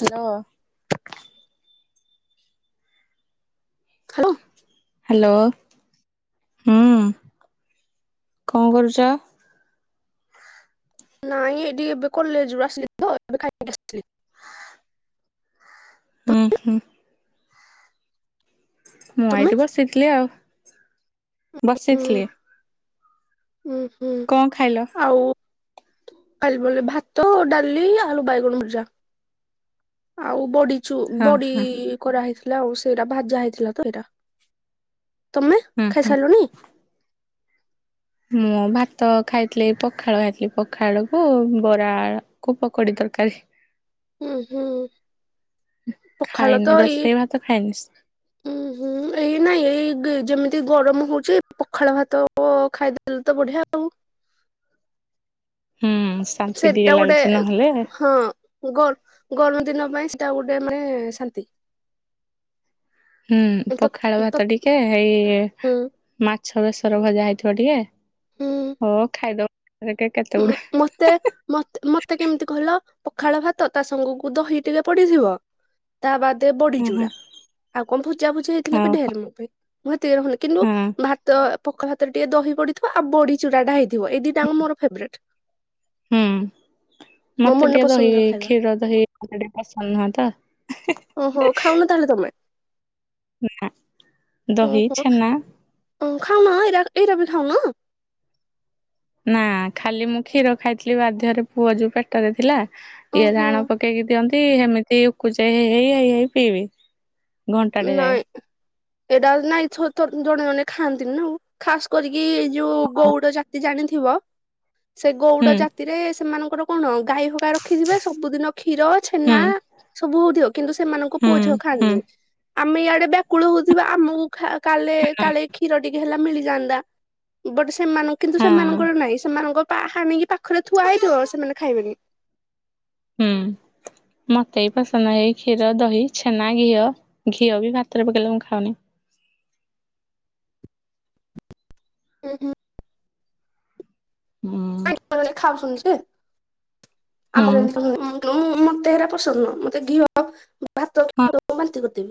Hello. Hello. Hello ହୁଁ କଣ କରୁଚ? ନାଇଁ ଏଠି ଏବେ କଲେଜରୁ ଆସିଲତ ଏବେ ଖା ବସିଥିଲି। ହୁଁ ହୁଁ। ମୁଁ ତମେ ଏଇଠି ବସିଥିଲି ଆଉ ବସିଥିଲି। ଉଁ ହୁଁ କଣ ଖାଇଲ? ଆଉ ଖାଲି ବଲେ ଭାତ ଡାଲି ଆଳୁ ବାଇଗଣ ଭୁଜା ଆଉ ବଡ଼ି ଛୁ ହଁ ବଡ଼ି କରା ହେଇଥିଲା ଆଉ ସେଇଟା ଭାଜା ହେଇଥିଲାତ ଏଇଟା। ତମେ ହୁଁ ଖାଇ ହୁଁ। ସାରିଲନି? ମୁଭାତ ଖାଇଥିଲି ପଖାଳ ଖାଇଥିଲି ପଖାଳକୁ ବରା କୁ ପକୋଡ଼ି ତରକାରୀ। ହୁଁ ହୁଁ ପଖାଳ ତ ଖାଇନି ଏଇ ରୋଷେଇ ଭାତ ଖାଇନି। ହୁଁ ହୁଁ ଏଇ ନାଇଁ ଏଇ ଯେମିତି ଗରମ ହଉଛି ପଖାଳ ଭାତ ଖାଇଦେଲେତ ବଢ଼ିଆ ଆଉ। ହୁଁ। ଶାନ୍ତି ଟିକେ ସେଟା ଗୋଟେ ଲାଗୁଛି ନହେଲେ ହଁ। ଗ ଗରମ ଦିନ ପାଇଁ ସେଟା ଗୋଟେ ମାନେ ଶାନ୍ତି। ହୁଁ ତ ପଖାଳ ତ ଭାତ ଟିକେ ଏଇ ହୁଁ ମାଛ ବେଶର ଭଜା ହେଇଥିବ ଟିକେ ହ ଖାଇଦ ଉ ମତେ ମତେ ମତେ କେମିତି କହିଲ ପଖାଳ ଭାତ ତାସାଙ୍ଗକୁ ଦହି ଟିକେ ପଡ଼ି ଥିବ ତା ବାଦେ ବଡ଼ି ହଁ ଚୁରା ଆଉ କଣ ଭୋଜା ଭୁଜି ହେଇଥିଲେବି ହଁ ହଁ। ଢେରେ ମୋପାଇଁ ମୁଁ ଏତିକିରେ ଉଲ କିନ୍ତୁ ହଁ ଭାତ ପଖାଳ ଭାତରେ ଟିକେ ଦହି ପଡ଼ିଥିବ ଆଉ ବଡ଼ି ଚୁରାଟା ହେଇଥିବ ଏଇ ଦିଟା ମୋର ଫେରେଟ୍। ହୁଁ। ମୋ ମତେ ମନ ଟିକେ ଦହି ପସନ୍ଦର ଖାଇବା କ୍ଷୀର ଦହି ମତେ ଟିକେ ପସନ୍ଦ ନୁହଁ ତ। ଓ ଖାଉନ ତାହେଲେ ତମେ? ନା ଦହି ଛେନା। ହଁ ଖାଉନ ଏରା ଏରାବି ଖାଉନ? ନା ଖାଲି ମୁଁ କ୍ଷୀର ଖାଇଥିଲି ବାଧ୍ୟରେ ପୁଅ ଯୋଉ ପେଟରେ ଥିଲା ଇଏ ଓହୋ ରାଣ ପ ପକେଇକି ଦିଅନ୍ତି ସେମିତି ଉକୁଚେଇ ହେଇ ହେଇ ହେଇ ହେଇ ପିଇବି। ଘଣ୍ଟାଟେ ଯାଏ। ନାଇଁ ଏଇଟା ନାଇଁ ଜଣେ ଜଣେ ଖାଆନ୍ତିନିନା ଆଉ ଖା କରିକି ଯୋଉ ଗଉଡ଼ ଜାତି ଜାଣିଥିବ ସେ ହୁଁ ଗଉଡ଼ ଜାତି ରାତିରେ ସେମାନଙ୍କର କଣ ଗାଈ ହଗା ରଖିଥିବେ ସବୁଦିନ କ୍ଷୀର ହୁଁ ଛେନା ସବୁ ହୋଉଥିବ କିନ୍ତୁ ସେମାନଙ୍କ ହୁଁ ପୁଅ ଝିଅ ହୁଁ ଖାଆନ୍ତିନି। ଆମେ ଇଆଡେ ବ୍ୟାକୁଳ ହୋଉଥୁବା ଆମକୁ ଖା କାଳେ ହଁ କ୍ଷୀର ଟିକେ ହେଲା ମିଳିଯାଆନ୍ତା। ବଟ ସେମାନେ କିନ୍ତୁ ହଁ ସେମାନଙ୍କର ନାହିଁ ସେମାନଙ୍କ ପା ହାଣିକି ପାଖରେ ଥୁଆହେଇଥିବ ସେମାନେ ଖାଇବେନି। ହୁଁ। ମତେ ବି ପସନ୍ଦ ନାହିଁ ଏଇ କ୍ଷୀର, ଦହି, ଛେନା, ଘିଅ, ଘିଅ ବି ଭାତରେ ପକେଇଲେ ମୁଁ ଖାଉନି। ଉଁହୁଁ। ହୁଁ ହଁ ଏକାବେଳେ ଖାଉଛନ୍ତି ଯେ ହୁଁ ଆମର ଏମତି [unintelligible] ଉଁ ଉଁ ଉଁ ମତେ ହେରା ପସନ୍ଦ ନୁହଁ ମତେ ଘିଅ ଭାତ ହଁ [inaudible] ବାନ୍ତି କରିଦେବି।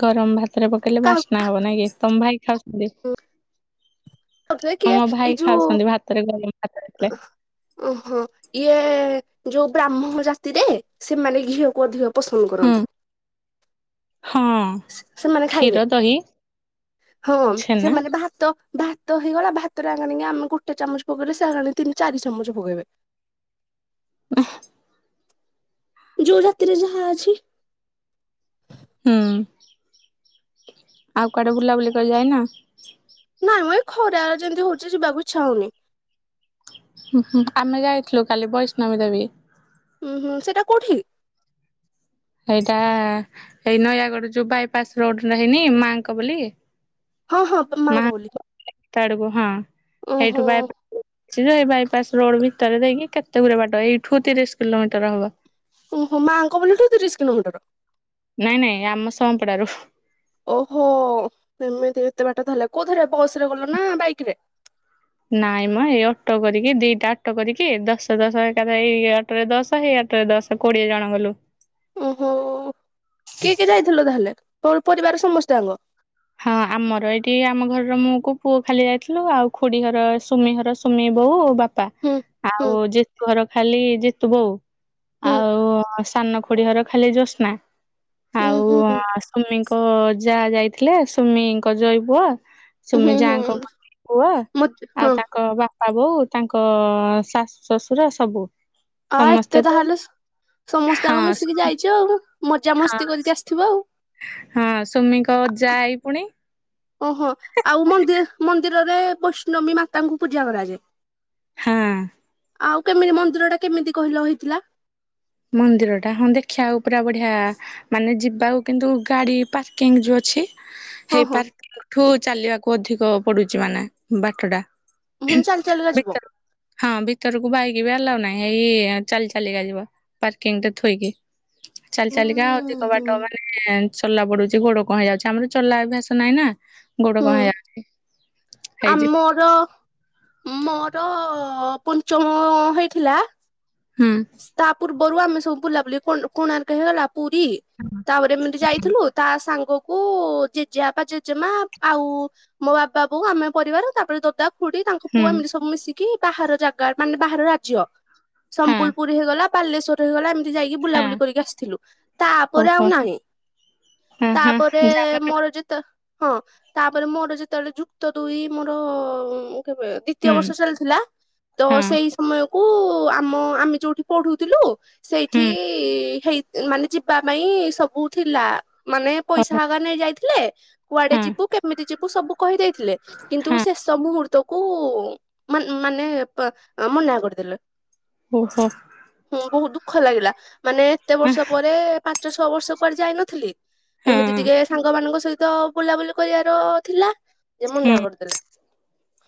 ଗରମ ଭାତରେ ପକେଇଲେ ବାସ୍ନା କାହାକୁ ହବ ନାଇଁ କି ତମ ଭାଇ ଖାଉ ନ୍ତି ଖାଉଥିବେ କିଏ ତମ ଏଇ ଭାଇ ଯୋଉ ଖାଉଛନ୍ତି ଭାତରେ ଗରମ ଭାତରେ ତଲେ ଓହୋ ଇଏ ଯୋଉ ବ୍ରାହ୍ମଣ ଜାତିରେ ସେମାନେ ଘିଅକୁ ଅଧିକ ପସନ୍ଦ କରନ୍ତି। ହଁଅ। ସ୍ ସେମାନେ ଖାଇବେ ହଁ ଛେନା ସେମାନେ ଭା ତ ଭାତ ହେଇଗଲା ଭାତରେ ଆଙ୍କା ନେଇଗା ଆମେ ଗୋଟେ ଚାମଚ ପକେଇଲେ ସେ ଆଣି ତିନି ଚାରି ଚାମଚ ପକେଇବେ। ଯୋଉ ଜାତିରେ ଯାହା ଅଛି। ହୁଁ ଆଉ କୁଆଡେ ବୁଲାବୁଲି କରି ଯାଇନ? ନା ମ ଏଇ ଖରାରା ଯେମତି ହୋଉଚି ଯିବାକୁ ଇଚ୍ଛା ହୋଉନି। ଉଁହୁଁ ଆମେ ଯାଇଥିଲୁ କାଲି ବୈଷ୍ଣବୀ ଦେବୀ। ଉଁହୁଁ ସେଇଟା କୋଉଠି? ସେଇଟା ଏଇ ନୟାଗଡ ଯୋଉ ବାଇପାସ ରୋଡନା ହେଇନି ମାଆଙ୍କ ବୋଲି ହଁ ହଁ ମାଙ୍କ ବୋଲି ମାଁଆଙ୍କ [unintelligible] ଆଡକୁ ହଁ ଓହୋ ହେଇଠୁ ବାଇପା ସିଏ ଯୋଉ ଏଇ ବାଇପାସ ରୋଡ ଭିତରେ ଦେଇକି କେତେଗୁରେ ବାଟ ଏଇଠୁ ତିରିଶ କିଲୋମିଟର ହବ। ଓହୋ ମାଆଙ୍କ ବୋଲି ଏଠୁ ତିରିଶ କିଲୋମିଟର। ନାଇଁ ନାଇଁ ଆମ ସଁପଡାରୁ। ଓହୋ ସେମିତି ଏତେ ବାଟ ତାହେଲେ କୋଉଥିରେ ବସରେ ଗଲ ନା ବାଇକରେ? ନାଇଁ ମ ଏଇ ଅଟୋ କରିକି ଦିଇଟା ଅଟୋ କରିକି ଦଶ ଦଶ ଏକା ଦେଇ ଇଏ ଅ ସେଟାରେ ଦଶ ହେଇ ଆରଟାରେ ଦଶ କୋଡିଏ ଜଣ ଗଲୁ। ଓହୋ କିଏ କିଏ ଯାଇଥିଲ ତାହେଲେ ପ ପରିବାର ସମସ୍ତେ ଆଙ୍କ? ହଁ ଆମର ଏଇଠି ଆମ ଘରର ମୁଁକୁ ପୁଅ ଖାଲି ଯାଇଥିଲୁ ଆଉ ଖୁଡି ଘର ସୁମି ହର ସୁମି ବୋଉ ବା ପା ହୁଁ ହୁଁ ଆଉ ଜିତୁ ଘର ଖାଲି ଜିତୁ ବୋଉ। ହୁଁ ଆଉ ଆ ସାନ ଖୋଡି ଘର ଖାଲି ଜୋସ୍ନା ଆଉ ହୁଁ ଆସ୍ ସୁମିଙ୍କ ଯାଆ ଯାଇଥିଲେ ସୁମିଙ୍କ ଜୋଇ ପୁଅ ହୁଁ ସୁମି ହୁଁ ଯାଆଙ୍କ ହୁଁ ପୁଅ ମତେ ହଁ ଆଉ ତାଙ୍କ ବା ପା ବୋଉ ତାଙ୍କ ଶାଶୁ ଶଶୁର ସବୁ। ଆ ସମସ୍ତେ ଏତେ ତ ଯାହାହେଲେ ସମସ୍ତେ ହଁ ଆଙ୍କ ମିଶିକି ସୁମି ଯାଇଚ ଆଉ ମଜା ହଁ ମସ୍ତି କରିକି ଆସିଥିବ ଆଉ। ହଁ ସୁମିଙ୍କ ଅଜା, ଆଈ ପୁଣି। ଓହୋ ଆଉ ମନ୍ଦିର ମନ୍ଦିରରେ ବୈଷ୍ଣବୀ ମାତାଙ୍କୁ ପୂଜା କରାଯାଏ। ହଁ। ଆଉ କେମିତି ମନ୍ଦିରଟା କେମିତି କହିଲ ହେଇଥିଲା? ମନ୍ଦିରଟା ହଁ ଦେଖିଆକୁ ପୁରା ବଢିଆ ମାନେ ଯିବାକୁ କିନ୍ତୁ ଗାଡ଼ି ପାର୍କିଂ ଯୋଉ ଅଛି ହଁ ହେଇ ହଁ ପାର୍କଠୁ ଚାଲିବାକୁ ଅଧିକ ପଡୁଚି ମାନେ ବାଟଟା। ପୁଣି ଚାଲି ଚାଲିକା ଭିତର ଯିବ ଭିତରକୁ ହଁ ଭିତରକୁ ବାଇକି ବି ଆଲାଉ ନାହିଁ ଏଇ ଚାଲି ଚାଲିକା ଯିବ। ପାର୍କିଂ ରେ ଥୋଇକି ଚାଲି ହୁଁ ଚାଲିକା ଅଧିକ ହୁଁ ବାଟ ବା। ଚଲା ପଡୁଚି ଗୋଡ଼ କଣ ହେଇ ଯାଉଛି ଆମର ଚଲା ଅଭ୍ୟାସ ନାହିଁ ନା। ଗୋଡ କଣ ହେଇଯାଉଚି ହେଇଚି। ମୋର ମୋର ପଞ୍ଚମ ହେଇଥିଲା। ହୁଁ। ସ୍ତା ପୂର୍ବରୁ ଆମେ ସବୁ ବୁଲାବୁଲି କୋଣାର୍କ ହେଇଗଲା। ପୁରୀ ତାପରେ ଏମିତି ଯାଇଥିଲୁ ତା ସାଙ୍ଗ କୁ ଜେଜେବାପା ଜେଜେମା ଆଉ ମୋ ବାବା ବୋଉ ଆମେ ପରିବାର ତାପରେ ଦୋଦା ଖୁଡି ତାଙ୍କ ହୁଁ ପୁଅ ଏମିତି ସବୁ ମିଶିକି ବାହାର ଜାଗା ମାନେ ବାହାର ରାଜ୍ୟ ହଁ ସମ୍ବଲପୁରୀ ହେଇଗଲା। ବାଲେଶ୍ଵର ହେଇଗଲା ଏମିତି ଯାଇକି ବୁଲାବୁଲି ହଁ। କରିକି ଆସିଥିଲୁ ତାପରେ ଆଉ ଓହୋ ନାହିଁ। ହଁ ହଁ ତାପରେ ଯାଉନ କେବେ ମୋର ଜିତ ହଁ ତାପରେ ମୋର ଯେତେବେଳେ ଯୁକ୍ତ ଦୁଇ ମୋର ଦ୍ଵିତୀୟ ହୁଁ ବର୍ଷ ଚାଲିଥିଲା ତ ହଁ ସେଇ ସମୟକୁ ଆମ ଆମି ଯୋଉଠି ପଢୁଥିଲୁ ସେଇଠି ହୁଁ ହେଇ ମାନେ ଯିବା ପାଇଁ ସବୁ ଥିଲା ମାନେ ପଇସା ଓହୋ ହେକା ନେଇ ଯାଇଥିଲେ। କୁଆଡେ ହଁ ଯିବୁ କେମିତି ଯିବୁ ସବୁ କହିଦେଇଥିଲେ କିନ୍ତୁ ହଁ ଶେଷ ମୁହୂର୍ତ୍ତକୁ ମାନେ ମାନେ ମନା କରିଦେଲେ। ଓ ହୋ। ହୁଁ ବହୁତ ଦୁଃଖ ଲାଗିଲା ମାନେ ଏତେ ବର୍ଷ ପରେ ପାଞ୍ଚ ଛଅ ବର୍ଷ କୁଆଡେ ଯାଇନଥିଲି। ହଁ ଏମିତି ଟିକେ ସାଙ୍ଗ ମାନଙ୍କ ସହିତ ବୁଲାବୁଲି କରିବାର ଥିଲା ଯେ ହୁଁ ମନା କରିଦେଲେ।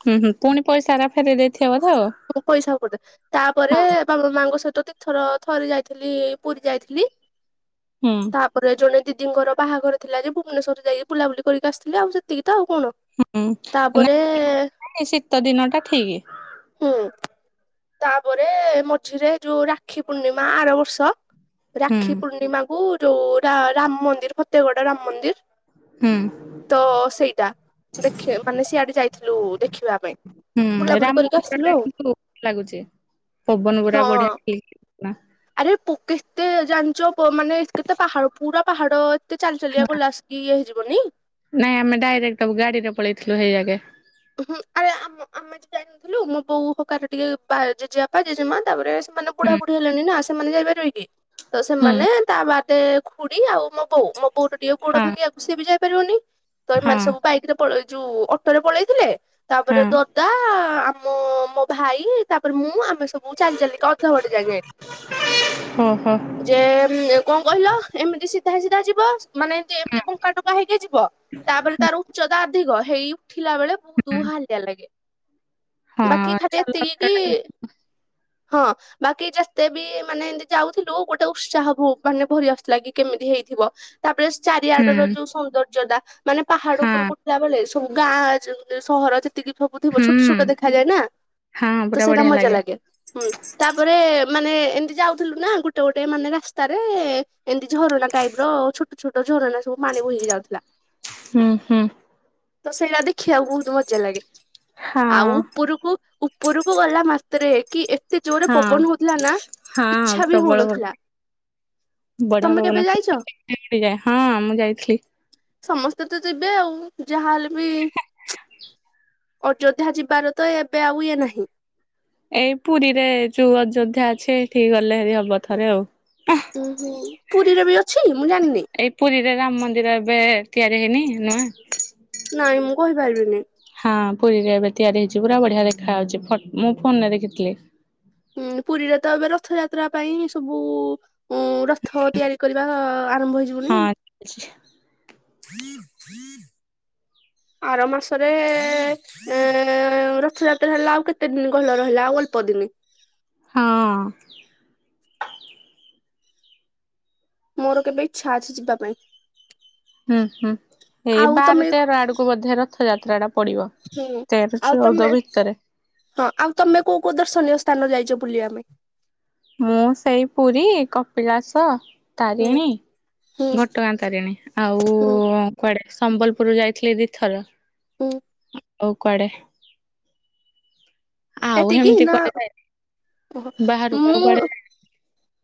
ହୁଁ ହୁଁ ପୁଣି ପଇସା ହେରା ଫେରେଇ ଦେଇଥିବେ ବୋଧେ ଆଉ। ପଇସା ପଦେ ତାପରେ ବାପ ମାଆଙ୍କ ସହିତ ଦିଥର ଥରେ ଯାଇଥିଲି ଏଇ ପୁରୀ ଯାଇଥିଲି। ହୁଁ। ତାପରେ ଜଣେ ଦିଦିଙ୍କର ବାହାଘର ଥିଲା ଯେ ଭୁବନେଶ୍ୱର ଯାଇକି ବୁଲାବୁଲି କରିକି ଆସିଥିଲି। ଆଉ ସେତିକି ତ ଆଉ କଣ। ହୁଁ ତାପରେ ଏଇନା ଶୀତ ଦିନ ଟା ଠିକ୍। ହୁଁ ତାପରେ ମଝିରେ ଯୋଉ ରାକ୍ଷୀ ପୂର୍ଣ୍ଣିମା ଆର ବର୍ଷ। ହୁଁ ରାକ୍ଷୀ ପୂର୍ଣ୍ଣିମା କୁ ଯୋଉ ରାମ ମନ୍ଦିର ଫତେଗଡ ରାମ ମନ୍ଦିର। ହୁଁ। ତ ସେଇଟା ଦେଖିବା ମାନେ ସିଆଡେ ଯାଇଥିଲୁ ଦେଖିବା ପାଇଁ। ହୁଁ ବୁଲାବୁଲି ରାମ କରିକି ମନ୍ଦିର ଆସିଲୁ ଟା ଆଉ କିନ୍ତୁ ଭଲ ଲାଗୁଛି ପବନ ହଁ ଗୁରା ବଢିଆ ଖାଲି। ଆରେ ଫୋକେସ୍ଥେ ଜାଣିଛ ମାନେ କେତେ ପାହାଡ଼ ପୁରା ପାହାଡ଼। ଏତେ ଚାଲି ଚାଲିକା ଗଲା ଆସିକି ଇଏ ହେଇଯିବନି। ନାଇଁ ଆମେ ଡାଇରେକ୍ଟ ତାବୁ ଗାଡି ରେ ପଳେଇଥିଲୁ ହେଇଯାଗେ। ହୁଁ ଆରେ ଆମ ଆମେ ଟିକେ ଜାଇନଥିଲୁ ମୋ ବୋଉ ହକା ରେ ଟିକେ ଜେଜେବାପା ଜେଜେମା ତାପରେ ସେମାନେ ବୁଢା ହୁଁ ବୁଢୀ ହେଲେଣି ନା ସେମାନେ ଯାଇପାରିବେ କି ତ ହୁଁ ସେମାନେ ତା ବାଦେ ଖୁଡି ଆଉ ମୋ ବୋଉ ମୋ ବୋଉର ଟିକେ ଗୋଡ଼ ହଁ ଭାଙ୍ଗିବାକୁ ସିଏ ବି ଯାଇପାରିବନି। ତ ହଁ। ଏମାନେ ସବୁ ବାଇକ ରେ ପଳେଇ ଏ ଯୋଉ ଅଟୋ ରେ ପଳେଇଥିଲେ ହଁ ତାପରେ ଦ ଦଦା ଅମୋ ଆଉ ମୋ ଭାଇ ତାପରେ ମୁଁ ଆମ ଆମେ ସବୁ ଚାଲି ଚାଲିକା ଅଧା ବାଟ ଯାଙ୍ଗେ ଓହୋ ଯେ କଣ କହିଲ ଏମିତି ସିଧା ସିଧା ଯିବ ମାନେ ଏମିତି ବଙ୍କା ଟଙ୍କା ହେଇକି ଯିବ ତାପରେ ତାର ଉଚ୍ଚତା ଅଧିକ। ହେଇ ଉଠିଲା ବେଳେ ବହୁତ ହାଲିଆ ଲାଗେ ବାକି ହଁ ଖାଲି ଏତିକି କି ଚାଲ ହଁ। ବାକି ଯେତେ ବି ମାନେ ଏମିତି ଯାଉଥିଲୁ ଗୋଟେ ଉତ୍ସାହ ଭୁ ମାନେ ଭରି ଆସୁଥିଲା କି କେମିତି ହେଇଥିବ। ତାପରେ ସେ ହୁଁ ଚାରିଆଡ ର ଯୋଉ ସୌନ୍ଦର୍ଯ୍ୟତା ମାନେ ପାହାଡ ହଁ ଉପରକୁ ଉଠିଲଥିଲାବେଳେ ସବୁ ଗାଁ ଯଉ ସହର ଯେ ଯେତିକି ସବୁ ଥିବ ହୁଁ ଛୋଟ ଛୋଟ ଦେଖାଯାଏ ନା ହଁ ତ ପୁରା ସେଇଟା ବଢିଆ ମଜା ଲାଗେ। ହୁଁ ତାପରେ ମାନେ ଏ ଏମିତି ଯାଉଥିଲୁ ନା ଗୋଟେ ଗୋଟେ ମାନେ ରାସ୍ତାରେ ଏମିତି ଝରଣା ଟାଇପ ର ଛୋଟ ଛୋଟ ଝରଣା ସବୁ ମାନେ ବୁହିକି ଯାଉଥିଲା ହୁଁ ହୁଁ। ତ ସେଇଟା ଦେଖିବାକୁ ବହୁତ ମଜା ଲାଗେ। ହଁ ଆଉ ଉପରୁକୁ ଉପରୁକୁ ଗଲା ମାତ୍ରେ କି ଏ ଏତେ ଜୋରେ ହଁ ପବନ ହଉଥିଲା ନା ହଁ ଇଛା ବି ପ୍ରବଳ ହଉନଥିଲା। ବଢିଆ ତମେ କେବେ ପବନ ଯାଇଛ? ଖାଇଲେ [unintelligible] ଉଡ଼ିଯା ହଁ ମୁଁ ଯାଇଥିଲି। ସମସ୍ତେ ତ ଯିବେ ଆଉ ଯାହାହେଲେ ବି ଅଯୋଧ୍ୟା ଯିବାର ତ ଏବେ ଆଉ ଇଏ ନାହିଁ। ଏଇ ପୁରୀରେ ଯୋଉ ଅଯୋଧ୍ୟା ଅଛି ଏଇଠିକି ଗଲେ ହେରି ହବ ଥରେ ଆଉ। ଉଁ ହୁଁ ପୁରୀରେ ବି ଅଛି ମୁଁ ଜାଣିନି। ଏଇ ପୁରୀରେ ରାମ ମନ୍ଦିର ଏବେ ତିଆରି ହେଇନି ନୂଆ। ନାଇଁ ମୁଁ କହିପାରିବିନି। ହଁ ପୁରୀରେ ଏବେ ତିଆରି ହେଇଛି ପୁରା ବଢିଆ ଦେଖା ଯାଉଛି ଫୋଟ ମୁଁ ଫୋନ ରେ ଦେଖିଥିଲି। ହୁଁ ପୁରୀରେ ତ ଏବେ ରଥଯାତ୍ରା ପାଇଁ ସବୁ ଉଁ ରଥ ତିଆରି କରିବା ଆରମ୍ଭ ହେଇଯିବଣି? [unintelligible] [inaudible] [inaudible] ଆର ମାସରେ ଏ ରଥଯାତ୍ରା ହେଲା ଆଉ କେତେ ଦିନି କହିଲ ରହିଲା ଆଉ ଅଳ୍ପ ଦିନି। ହଁ। ମୋର କେବେ ଇଚ୍ଛା ଅଛି ଯିବା ପାଇଁ। ହୁଁ ହୁଁ ଏଇ ଆଉ ବାର ତମେ ତେର ଆଡକୁ ବଧେ ରଥଯାତ୍ରା ଟା ପଡିବ ହୁଁ ତେର ଆଉ ତମେ ଚଉଦ ଭିତରେ। ହଁ ଆଉ ତମେ କୋଉ କୋଉ ଦର୍ଶନୀୟ ସ୍ଥାନ ଯାଇଛ ବୁଲିବା ପାଇଁ? ମୁଁ ସେଇ ପୁରୀ କପିଳାସ ହୁଁ ତାରିଣୀ ହୁଁ ଘଟ ଗାଁ ତାରିଣୀ ଆଉ ହୁଁ କୁଆଡେ ସମ୍ବଲପୁରୁ ଯାଇଥିଲି ଦିଥର। ଉଁ। ଆଉ କୁଆଡେ? ଆଉ ଏତିକି ହେମିତି ନା କୁଆଡେ ଯାଇନି। ଓ ଓହୋ ବାହାରକୁ ଆଉ ମୁଁ କୁଆଡେ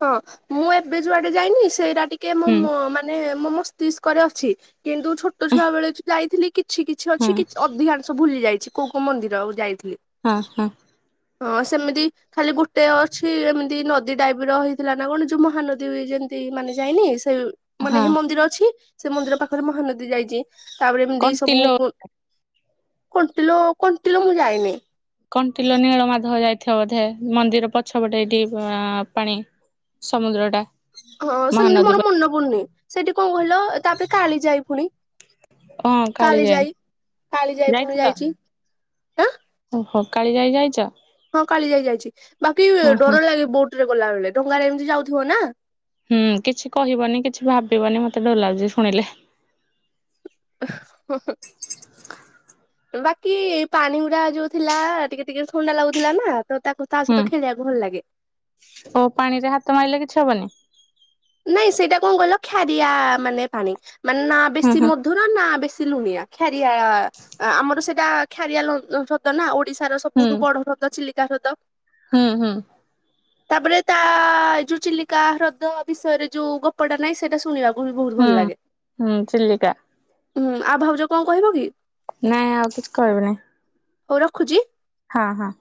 ହଁ ମୁଁ ଏବେ ଯୁଆଡେ ଯାଇନି ସେଇରା ଟିକେ ମୁଁ ହୁଁ ମୋ ମାନେ ମୋ ମସ୍ତିଷ୍କରେ ଅଛି। କିନ୍ତୁ ଛୋଟ ଛୁଆ ବେଳେ ଯାଇଥିଲି କିଛି କିଛି ହଁ ଅଛି କିଛି ଅଧିକାଂଶ ଭୁଲି ଯାଇଛି। କୋଉ କୋଉ ମନ୍ଦିର ଓ ଯାଇଥିଲି? ହଁ ହଁ। ହଁ ସେମିତି ଖାଲି ଗୋଟେ ଅଛି ଏମିତି ନଦୀ ଟାଇପ ର ହେଇଥିଲା ନା କଣ ଯୋଉ ମହାନଦୀ ଯେମତି ମାନେ ଯାଇନି ସେଇ ମାନେ ହଁ ହେ ମନ୍ଦିର ଅଛି ସେ ମନ୍ଦିର ପାଖରେ ମହାନଦୀ ଯାଇଛି ତାପରେ ଏମିତି ସବୁ କଣ୍ଟିଲୋ ଉଁ କଣ୍ଟିଲୋ କଣ୍ଟିଲୋ ମୁଁ ଯାଇନି। କଣ୍ଟିଲ ନୀଳ ମାଧବ ଯାଇଥିବ ବୋଧେ ମନ୍ଦିର ପଛପଟେ ଏଠି ଆଁ ପାଣି। ସମୁଦ୍ର ଟା। ହଁ ସେମିତି ମହାନଦୀ ମୋର ପା ମନ ପଡୁନି ସେଠି କଣ କହିଲ ତାପରେ କାଳିଯାଇ ପୁଣି। କାଳିଯାଇ କାଳିଯାଇ ପୁଣି ଯାଇଥିଲ ଯାଇଛି। ଆଁ ଓହୋ କାଳିଯାଇ ଯାଇଛ? ହଁ କାଳିଯାଇ ଯାଇଛି ବାକି ଓ ହୋ ଡର ଲାଗେ ବୋଟ ରେ ଗଲାବେେଳେ ଡଙ୍ଗାରେ ଏମିତି ଯାଉଥିବ ନା। ହୁଁ କିଛି କହିବନି କିଛି ଭାବିବନି ମତେ ଡୋଲାଉଛି ଶୁଣିଲେ। [unintelligible] ବାକି ପାଣି ଗୁଡା ଯୋଉ ଥିଲା ଟିକେ ଟିକେ ଥଣ୍ଡା ଲାଗୁଥିଲା ନା ତ ତାକୁ ତା ହୁଁ ସହିତ ଖେଳିବାକୁ ଭଲ ଲାଗେ। ଓ ପାଣି ରେ ହାତ ମାରିଲେ କିଛି ହବନି। ନାଇଁ ସେଇଟା କଣ କଲ ଖାରିଆ ମାନେ ପାଣି ମାନେ ନା ହୁଁ ବେଶୀ ମଧୁର ନା ବେଶୀ ଲୁଣିଆ। ଖାରିଆଳ ଆମର ସେଟା ଖାରିଆଳ ହଦ୍ର ନା ଓଡିଶାର ହୁଁ ସବୁଠୁ ବଡ ଚିଲିକା ହ୍ରଦ। ହୁଁ ହୁଁ। ତାପରେ ତା ଏଇ ଯୋଉ ଚିଲିକା ହ୍ରଦ ବିଷୟରେ ଯୋଉ ଗପଟା ନାହିଁ ସେଇଟା ଶୁଣିବାକୁ ବି ବହୁତ ହୁଁ ଭଲ ଲାଗେ। ହୁଁ ହୁଁ ଚିଲିକା ହୁଁ ଆ ଭାଉଜ କଣ କହିବ କି? ନାଇଁ ଆଉ କିଛି କହିବିନି। ହଉ ରଖୁଛି। ହଁ ହଁ।